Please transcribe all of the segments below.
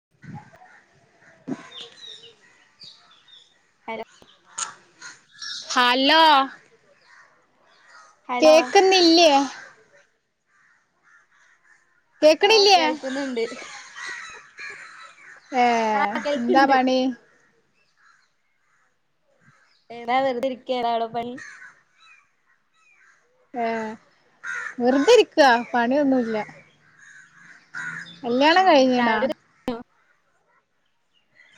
[inaudible] [unintelligible] Hello hello hello കേക്കുന്നില്ല്യോ ആഹ് കേക്കണില്ലേ കേൾക്ക്‌ന്ന്ണ്ട് ഏ ആഹ് എന്താ കേൾക്ക്ണ്ട് പണി [unintelligible] ഏഹ് വെറുതിരിക്കാ പണിയൊന്നുംല്ല കല്യാണം ഉം കഴിഞ്ഞെടാ ചായുടി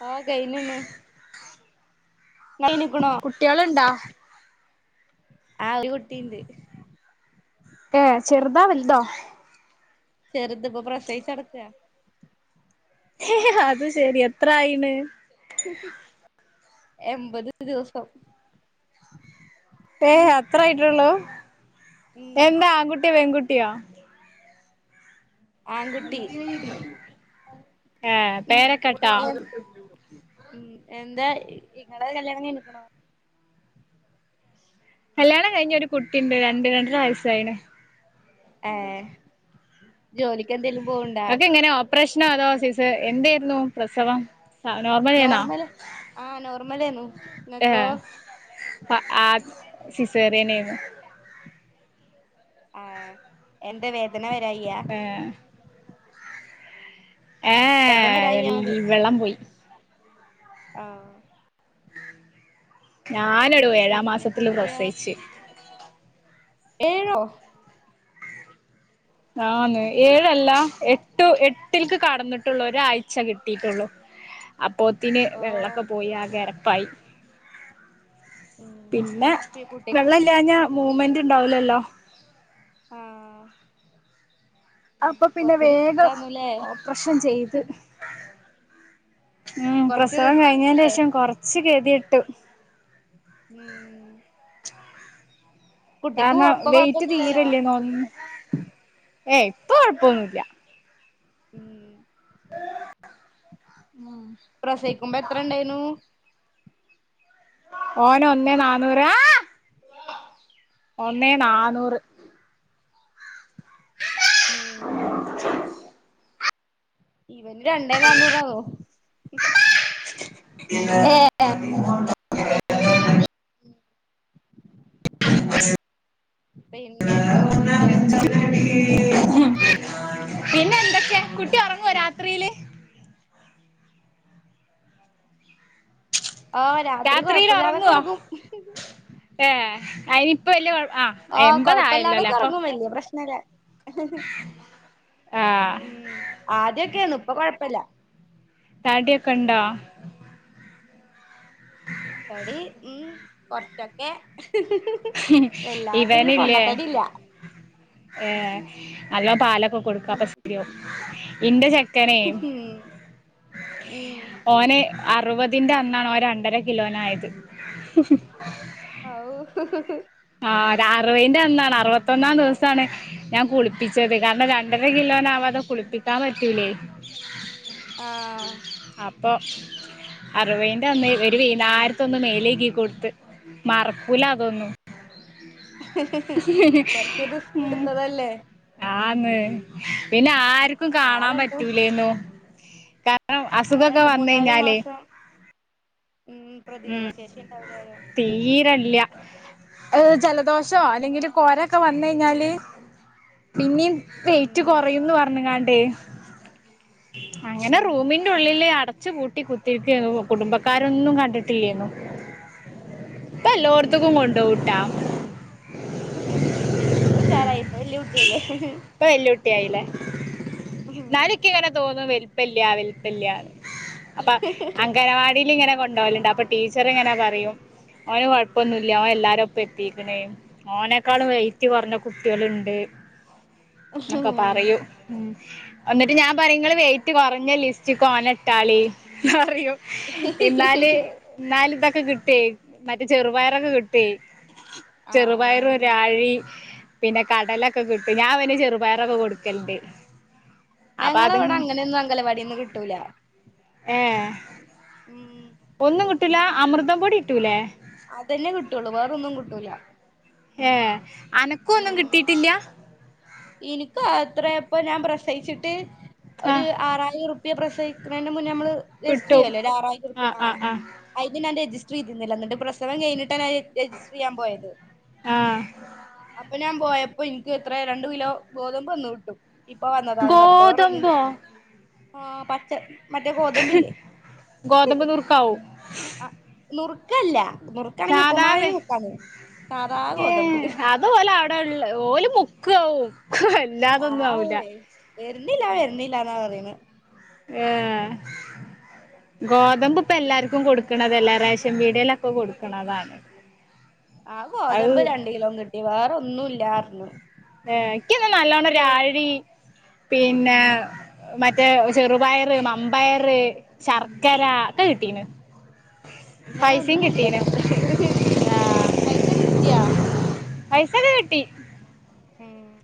ആ കഴിഞ്ണ് കുട്ട്യാൾണ്ടാ ആഹ് ഒരു കുട്ടീണ്ട് ഏഹ് ചെറുതാ വല്തോ ചെറ്ത്. ഇപ്പൊ പ്രസവിച്ചടക്കാ അത് ശെരി. എത്രായിണ് എൺപത് ദിവസം ഉം ഏഹ് അത്ര ആയിട്ടുള്ളു ഉം എന്താ ആങ്കുട്ടിയോ പെങ്കുട്ടിയോ ആൺകുട്ടി ഏ ഉം പേരൊക്കെട്ടോ ഉം എന്താ ഇങ്ങടെ കല്യാണം കയ്ഞ്ഞിക്കണോ കല്യാണം കഴിഞ്ഞ് ഒരു കുട്ടിണ്ട് രണ്ട് രണ്ടര വയസ്സായിണ് ഏഹ് ജോലിക്ക് എന്തേലും പോവ്ണ്ടാ പ്രശ്ന അതാ സീസെ എന്തേരിന്നു പ്രസവം നോർമലേന്നോ നോർമല് ആഹ് നോർമലേന്നു ഇങ്ങക്കോ അ ആദ് സിസേറിയനേനു ആഹ് എന്താ വേദന വരായ്കയാ ഏഹ് വേദന വരായ്യാണോ ഏഹ് ചോയ്ക്ക വെള്ളം പോയി ആഹ് ഞാനെടോ ഏഴാം പിന്നെ മാസത്തില് കുട്ടിയാ പ്രസവിച്ച് ഏഴോ ആന്നെ ഏഴല്ല എട് എട്ട് എട്ടിൽക്ക് കടന്നിട്ടുള്ളൂ ഒരാഴ്ച കിട്ടീട്ടുള്ളൂ അപ്പ് പ്പോത്തിന് ഓ വെള്ളൊക്കെ പോയി ആകെ എരപ്പായി പിന്നെ ഉം കുട്ടി വെള്ളംല്ലാഞ്ഞാ മൂവ്മെന്റ് ഇണ്ടാവില്ലല്ലോ ആഹ് അപ്പൊ പിന്നെ കൊറച്ച് വേഗം റിസ്കാന്നുല്ലേ ഓപ്പറേഷൻ ചെയ്ത് ഉം കൊറച്ച് പ്രസവം കഴിഞ്ഞതിന് റിസ്കാന്നുല്ലേ ശേഷം കൊറച്ച് ഗതികെട്ടു ഉം കുട്ടിക്ക് കാരണം ഇപ്പൊ വെയിറ്റ് കൊഴപ്പൊന്നുല്ലല്ലോ തീരെല്യേനോന് ഏഹ് ഇപ്പൊ ഒഴപ്പൊന്നില്ല ഉം പ്രസവിക്കുമ്പോ എത്ര ഇണ്ടേനു ഓന് ഒന്നെ നാന്നൂറ് ആഹ് ഒന്നേ നാന്നൂറ് ഉം ഇവന് രണ്ടേ നാന്നൂറാവോ ഏഹ് [unintelligible] പിന്നെ വേറെന്തൊക്കെയാ വിശേഷം പിന്നെ എന്തൊക്കെയാ കുട്ടി ഒറങ്ങുവോ രാത്രീല് ആഹ് രാത്രി രാത്രിയിൽ കൊഴപ്പില്ലാതൊക്കെ ഉറങ്ങുവോ ഒറങ്ങും ഇപ്പ വല്യ കുഴ ആഹ് എമ്പതായല്ലോ അല്ലേ കൊഴപ്പല്ലാതൊക്കെ അപ്പൊ ഒറങ്ങും വല്യ പ്രശ്നല്ല ആ ഉം ആദ്യൊക്കെണ് ഇപ്പൊ കൊഴപ്പില്ല തടിയക്കൊണ്ടോ തടി ഉം കൊറച്ചൊക്കെ വല്ലാതൊരു ഇവന് ഇല്ലേ പൊണ്ണത്തടില്ല ഏഹ് നല്ല പാലൊക്കെ കൊടുക്ക്‌ ഉം അപ്പ ശരിയാകും ഇന്റെ ചക്കനേ ഉം ഓനെ അറുപതിന്റെ അന്നാണോ ഓൻ രണ്ടര കിലോനായത് ഔ ആ അറുപന്റെ അന്നാണ് അറുപത്തൊന്നാം ദിവസാണ് ഞാൻ കുളിപ്പിച്ചത് കാരണം രണ്ടര കിലോനാവാ കുളിപ്പിക്കാൻ പറ്റൂലേ ആഹ് അപ്പൊ അറുപൈന്റെ അന്ന് ഒരു വൈകുന്നാരത്തൊന്ന് മേലേക്കി കൊടുത്ത് മറക്കൂല അതൊന്നും കൊറച്ച് റിസ്ക് ഉം എടുത്തതല്ലേ ആത് പിന്നെ ആർക്കും ആ കാണാൻ രണ്ടും പറ്റൂലേലോ ആ അസുഖക്കെ രണ്ട് വന്ന് മൂന്നാല് കഴിഞ്ഞാല് മാസം ഉം ഉം പ്രതിരോധ ശേഷി ഉണ്ടാവൂലാലോ തീരല്ല എന്ന് വെച്ചാല് ജലദോഷോ ഉം അല്ലെങ്കിൽ കോരൊക്കെ വന്ന് കഴിഞ്ഞാല് പിന്നീ ഉം വെയിറ്റ് നൽ കുറയുംന്ന് പറഞ്ഞങ്ങാണ്ടേ ഉം അങ്ങനെ റൂമിന്റെ ഉള്ളില് അടച്ചു പൂട്ടി കുത്തിരിക്ക കുടുംബക്കാരൊന്നും കണ്ടി [unintelligible] ഇപ്പല്ലയിടത്തും കൊണ്ടോവുംട്ടാ ഉഷറായിപ്പം വല്യ കുട്ടിയല്ലേ ഞാനൊക്കെങ്ങനെ തോന്നും വരും പ്പല്യാ വൽപ്പല്യാണ് അപ്പൊ അംഗനവാടിൽ ഇങ്ങനെ കൊണ്ടുപോലുണ്ട് അപ്പൊ ടീച്ചർ ഇങ്ങനാ പറയും ഓന് കുഴപ്പൊന്നുല്ല ഓന് എല്ലാരും ഒപ്പം എത്തിക്കണേ ഓനെക്കാളും വെയിറ്റ് കുറഞ്ഞ കുട്ടികളുണ്ട് എക്കെ പറയും എന്നിട്ട് ഞാൻ പറയും നിങ്ങള് വെയി റ്റ് കുറഞ്ഞ ലിസ്റ്റ് ഓനെ ഇട്ടാല് പറയും എന്നാല് എന്നാല് ഇതൊക്കെ കിട്ടൊ മറ്റേ ചെറുപയറൊക്കെ കിട്ടിയ ആഹ് ചെറുപയറും രാഴി പിന്നെ കടലൊക്കെ കിട്ടും ഞാൻ ഇവന് ചെറുപയറൊക്കെ കൊടുക്കലണ്ട് ഞങ്ങളവിടെ അങ്ങനെയൊന്നും അംഗലവാടിന്ന് കിട്ടൂല ഏഹ് ഉം ഒന്നും കിട്ടൂല അമൃതം പൊടി കിട്ടൂലേ അതന്നെ കിട്ടുള്ളു വേറൊന്നും കിട്ടൂല ഏഹ് അനക്കു ഒന്നും കിട്ടിയിട്ടില്ല എനിക്ക് അത്ര ഇപ്പൊ ഞാൻ പ്രസയിച്ചിട്ട് ഒരു ആഹ് ആറായിരം പ്രസിക്കുന്ന മുന്നേ നമ്മൾ രജിസ്റ്റർ കിട്ടും ചെയ്യല്ലോ ആറര റുപിയ ആഹ് അതിന് ഞാൻ റെജി രസ്റ്റ ചെയ്തില്ല എന്നിട്ട് പ്രസവം കഴിഞ്ഞട്ടാണ് ഞാൻ രജിസ്റ്റർ ചെയാൻ പോയത് ആഹ് അപ്പൊ ഞാൻ പോയപ്പോ എനിക്ക് എത്ര രണ്ട് കിലോ ഗോതമ്പ് തന്നു വിട്ടു ഇപ്പൊ വന്നതാന്ന് പറഞ്ഞിട്ട് വേറെ ഒന്നും ഗോതമ്പോ കിട്ടില്ല ആഹ് പച്ച മറ്റേ ഗോതമ്പില്ലേ ഗോതമ്പ് നുറുക്കാവും ആ നുറുക്കല്ല നുറുക്ക് ആണെങ്കിൽ സാധാവേ ഉപ്പമാവിന് മുക്കാല്ലോ സാധ ഗോതമ്പ് അടെള്ള ഓല് മുക്ക് ആവും അല്ലാതൊന്നും ആവില്ല ഇല്ലില്ലാ വരുന്നില്ലന്നാ പറയുന്ന ആഹ് ഗോതമ്പ് ഇപ്പൊ എല്ലാർക്കും കൊടുക്കണത് അല്ലേ റേഷൻ പീടയിലൊക്കെ കൊടുക്കണതാണ് ആഹ് ഗോതമ്പ് അത് രണ്ട് കിലോം കിട്ടി വേറെന്നും ഇല്ലാരുന്നു എനിക്ക്ന്താ നല്ലോണം രാഴി പിന്നെ മറ്റേ ചെറുപയർ മമ്പയർ ശർക്കര ഒക്കെ കിട്ടീന് ഇന്നനെ പൈസയും കിട്ടീന് ഒന്നുമല്ലന്നടെ പൈസ കിട്ടിയാ പൈസൊക്കെ കിട്ടി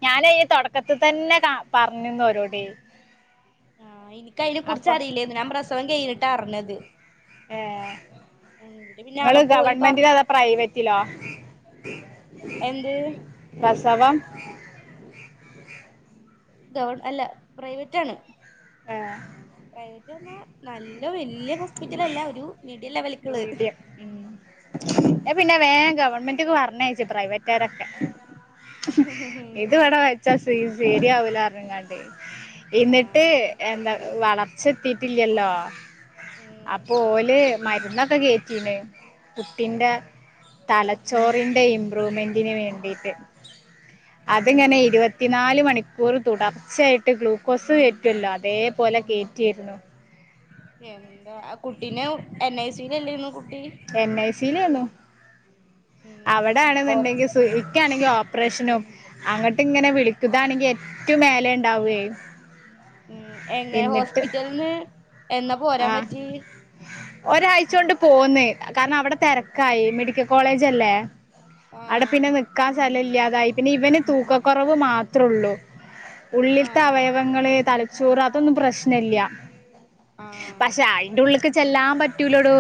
ഞാന ക്കത്ത് തന്നെ കാ പറഞ്ഞന്ന ഓരോട് ആഹ് എനിക്ക്‌ അയിനെ അപ്പൊ കുറിച്ചറിയില്ലേന്ന് ഞാൻ പ്രസവം കഴഞ്ഞിട്ട അറിഞ്ഞത് ഏഹ് എന്നിട്ട് പിന്നെ ഇങ്ങള് അവിടെ പോയി ഗവൺമെന്റിലോ പറഞ്ഞു അതോ പ്രൈവറ്റിലോ [inaudible] എന്ത് സവാ ഗവൺ അല്ല പ്രൈവറ്റ് ആണ് ഏ പ്രവ ക്കുന്നെ നല്ല വലിയ ഹോസ്പിറ്റലല്ല ഒരു മിഡിൽ മീഡിയം മ് ഉം ന്നാ പിന്നെ വേഗ ഗവൺമെന്റ് ക്ക് പറഞ്ഞയച്ചു പ്രൈവറ്റുകാരൊക്കെ ഇത് ഇവടെ വെച്ച [unintelligible] ശരിയാവില്ല അങ്ങങ്ങാണ്ട് ആ എന്നിട്ട് എന്താ വളർച്ചെത്തിട്ടില്ലല്ലോ അ ഉം അപ്പോ ഓല് മരുന്നൊക്കെ കേറ്റീന് കുട്ടിന്റെ തലച്ചോറിന്റെ ഇംമ്പ്രൂവ്മെന്റിന് വേണ്ടിയിട്ട് അത്ങ്ങനെ ഉം ഇരുവത്തിനാല് മണി ഒര് തുടർച്ചയാട്ട് ഗ്ലൂക്കോസ് കേറ്റല്ലോ അതേപോലെ കെറ്റിരുന്നു എന്താ ആ കുട്ടീനെ എൻ ഐ സിൽല്ലരുന്നു എൻ ഐ സിയിലാന്നു ഉം അവിടെ ഹോസ് ആണെന്നെണ്ടെങ്കി സു ക്ക്‌ ആണെങ്കി ഓപ്പറേഷനും അങ്ങട്ട് ഇങ്ങനെ വിളിക്കുകാണെങ്കി ഏറ്റവും മേലെ ഉണ്ടാവുവെ ഉം എങ്ങനെ ഹോസ്പിറ്റലന്ന് എന്നാ ആഹ് പോരാപറ്റിയെ ഒരാഴ്ച കൊണ്ട് പോന്ന് കാരണം അവിടെ തിരക്കായി മെഡിക്കൽ കോളേജല്ലേ അവിടെ പിന്നെ ആഹ് നിക്കാൻ സ്ഥല ഇല്ലാതായി പിന്നെ ഇവന് തൂക്കക്കൊറവ് മാത്രേള്ളൂ ഉള്ളിലത്തെ ആഹ് അവയവങ്ങള് തലച്ചോറ് അതൊന്നും പ്രശ്ന ഇല്ല ആഹ് പക്ഷെ അയിന്റെ ഉള്ള ചെല്ലാൻ പറ്റൂലോടോ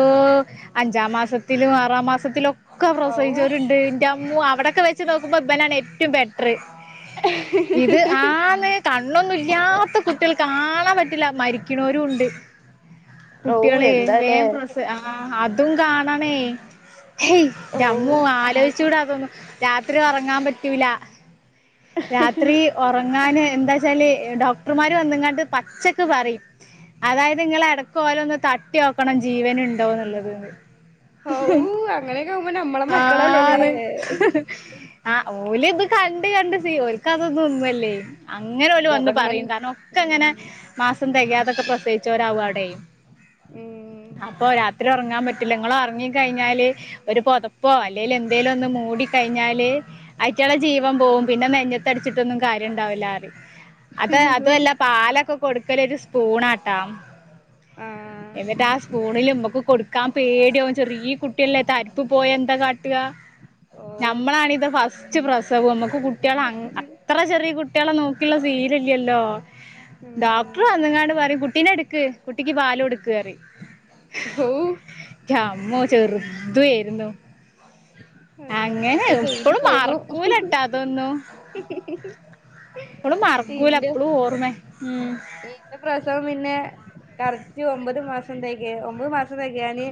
അഞ്ചാം മാസത്തിലും ആറാം മാസത്തിലും ഒക്കെ ഔ പ്രസവിച്ചവരുണ്ട് അമ്മു അവിടൊക്കെ വെച്ച് നോക്കുമ്പോ ഇവനാണ് ഏറ്റവും ബെറ്ററ് ഇത് ആന്ന് കണ്ണൊന്നും ഇല്ല്യാത്ത കുട്ടികൾക്ക്‌ കാ പറ്റില്ല മരിക്കണോരുണ്ട് ഔ കുട്ടികളെ എന്താലേ വേവം പ്രെസ ആ അതും കാണണേയ് ഹേയ് ഔ ന്റമ്മു ആലോച ച്ചുടെ അവവും രാത്രി ഒറങ്ങാൻ പറ്റൂല രാത്രി ഒറങ്ങാന് എന്താച്ചാല് ഡോക്ടർമാര് വന്നങ്ങാണ്ട് പച്ചക്ക് പറയും അതായത് നിങ്ങള എടക്ക് ഓരോന്ന് തട്ടി വോക്കണം ജീവന് ഉണ്ടോന്നുള്ളത് ഔ അങ്ങനെയൊക്കെ ആവുമ്പോ നമ്മളെ മക്കളല്ലേല്ലേ ആണ് അ ഓല് ഇത് കണ്ട് കണ്ട് സി ഓക്ക് അതൊന്നും ഒന്നുമല്ലേ അങ്ങനെ വല്ലു വന്ന് പറയും ഗവൺമെന്റ് കാരണം ഒക്ക്‌ അങ്ങനെ ഉം മാസം തികയാതൊക്കെ പ്രസവിച്ച ഒരാവുഅവിടെ അപ്പൊ രാത്രി ഒറങ്ങാൻ പറ്റില്ല നിങ്ങള് ഒറങ്ങി കഴിഞ്ഞാല് ഒരു പൊത ഇപ്പോ അല്ലെല് എന്തേലും ഒന്ന് മൂടി കഴിഞ്ഞാല് അയിറ്റള ജീവം പോകും പിന്നെ നെഞ്ഞത്ത് അടിച്ചിട്ടൊന്നും കാര്യം ഒണ്ടാവില്ല അറി അത് ഉം അതുവല്ല പാലൊക്കെ കൊടുക്കല് ഒരു സ്പൂണാട്ടാ ആഹ് എന്നിട്ട് ആ സ്പൂണില് മ്മക്ക് കൊടുക്കാ പേടിയാവും ചെറിയ കുട്ടിയല്ലെ തരിപ്പ് പോയ എന്താ കാ ട്ട് അ ഓ ഞമ്മളാണ് ഇത് ഫസ്റ്റ് പ്രസവം അമുക്ക്‌ കുട്ടികള് അങ്ങ് അത്ര ചെ കുട്ടികളെ നോക്കിയുള്ള സീരല്ലല്ലോ ഉം ഡോക്ടർ അങ്ങങ്ങാണ്ട് പറയും കുട്ടിനെ എടുക്ക് കുട്ടിക്ക് പാലും കൊടുക്കറി ഔ ന്റെമ്മോ ചെറുതുയിരുന്നു അള്ളാ അങ്ങനെ ഒക്കെ കഴിഞ്ഞ് ഇപ്പളും പോന്നു മർക്കൂലട്ടാ അതൊന്നു ഇപ്പളും മർക്കൂല ഇപ്പളും ഓർമ്മേ മ് മ് എന്റെ പ്രസവം പിന്നെ കറക്റ്റ് ഒമ്പത് മാസം തെകയ് ഒമ്പത് മാസം തെകെന്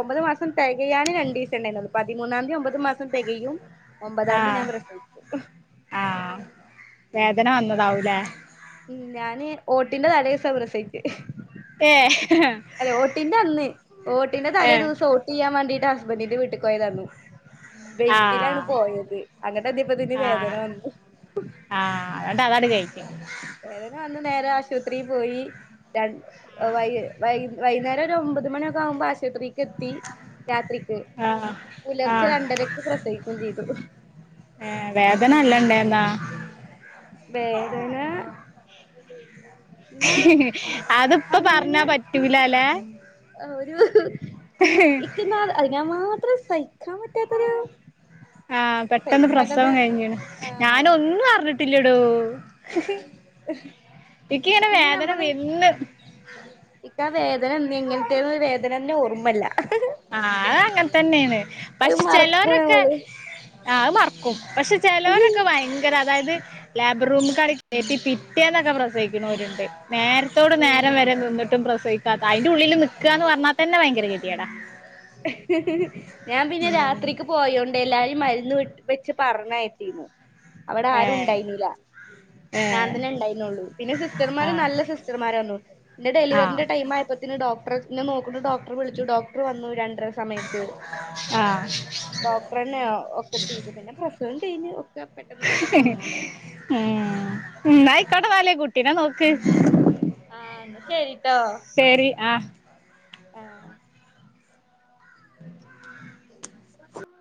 ഒമ്പത് മാസം തികയാണ് രണ്ട് ദിവസം ഉണ്ടായിന്നുള്ളു പതിമൂന്നാം തീയതി ഒമ്പത് മാസം തികയും ഒമ്പതാംതി ആഹ് [unintelligible] ആഹ് വേദന വന്നതാവൂലേ ഉം ഞാന് ഓട്ടിന്റെ തലേസാപ്രസച്ചെ ഏഹ് അതേ ഓട്ടിന്റന്ന് വോട്ടിന്റെ ഏഹ് തലേസം വോട്ട് ചെയ്യാൻ വേണ്ടിട്ട് ഹസ്ബൻറിന്റെ വീട്ടു പോയതാന്നു ബെയ്ക്കിലാണ് ആഹ് പോയത് അങ്ങട്ടെത്തിയപ്പേക്ക് വേദന വന്നു ആ അതണ്ട് അതടി കെയ് [unintelligible] നേരെ ആശുത്രീപോയി രണ് വൈ വൈ വൈയ്ന്നേരം ഒരൊമ്പത് മണിയൊക്കാവുമ്പോ ആശുത്രി എത്തി രാത്രിക്ക് ആഹ് പുലർച്ചെ ആഹ് രണ്ടരക്ക് പ്രസവിക്കെം ചെയ്തു ഏ വേദന അല്ലണ്ടേ [unintelligible] വേദന ന അതിപ്പ പറഞ്ഞാ അങ്ങനെ പറ്റൂല അല്ലെ ഒരു ഇൻക്ക് ആ ഞാൻ മാത്രം സഹിക്കാൻ പറ്റാത്തൊരു ആഹ പെട്ടന്ന് സഹിക്കാൻ പ്രസവം പറ്റാത്ത കഴിഞ്ഞാണ് ഞാന ആഹ് ഒന്നും അറിഞ്ഞിട്ടില്ലടോ ഇൻക്ക്ങ്ങനെ പിന്നെ വേദന നമ്മള് വേർന്ന ഇക്കാ വേദന എങ്ങനത്തെെയ വേദന തന്നെ ഓർമ്മല്ല [unintelligible] ആ അത അങ്ങനെ തന്നെയാണ് അത് പക്ഷെ മറക്കും ചിലരൊക്കെ നമ്മള് ആഹത് മറക്കും പക്ഷെ ചിലവരൊക്കെ ഭയങ്കര അതായത് ലാബ്റൂമ കടി പിറ്റന്നൊക്കെ പ്രസിക്കുന്നവരുണ്ട് നേരത്തോട് നേരം ഉം വരെ നിന്നിട്ടും പ്രസയിിക്കാത്ത അതിറെ ഉള്ളില് നൽക്കുകന്ന് പറഞ്ഞാൽ തന്നെ ഭയങ്കര ഗതി കോടാ ഞാൻ പിന്നെ ഉം രാത്രിക്ക് പോയോണ്ട് എല്ലാ മരുന്ന് വി വെച്ച് പറഞ്ഞയച്ചിനു അവടെ ആരും ഏഹ് ഉണ്ടായിന്നില്ല ഞാൻ ഏഹ് തന്നെ ഉണ്ടായിന്നുള്ളു പിന്നെ സിസ്റ്റർമാരും ആഹ് നല്ല സിസ്റ്റർമാരന്നു എന്റെ ആഹ് ഡെലിവറിന്റെറെ ടൈം ആയപ്പത്തേനു ഡോക് നോക്കുന്ന ഡോടർ വിളിച്ചു ഡോടർ വന്നു [unintelligible] എത്ര സമയത്ത് ആഹ് ഡോക്ടറെന്നെ ഒക്കെ ചെയ്ത് പിന്നെ പ്രസവം കയിഞ്ഞ് ഉം എന്നയിക്കോട്ട നാലേ കുട്ടീനെ നോക്ക് ആഹ് എന്നാ ശരിട്ടോ ശരി ആഹ് ആഹ് ഉ [unintelligible] അ [unintelligible]